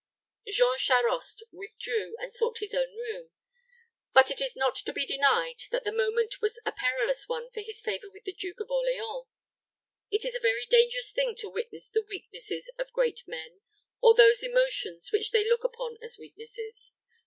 Jean Charost withdrew and sought his own room; but it is not to be denied that the moment was a perilous one for his favor with the Duke of Orleans. It is a very dangerous thing to witness the weaknesses of great men or those emotions which they look upon as weaknesses.